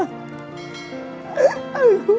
aku mending ingin kendali